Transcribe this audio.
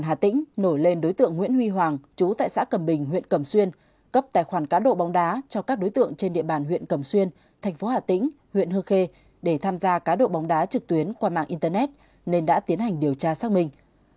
cảnh sát hình sự công an hà tĩnh nổi lên đối tượng nguyễn huy hoàng chú tại xã cầm bình huyện cầm xuyên cấp tài khoản cá độ bóng đá cho các đối tượng trên địa bàn huyện cầm xuyên tp hcm huyện hương khê để tham gia cá độ bóng đá trực tuyến qua mạng internet nên đã tiến hành điều tra xác minh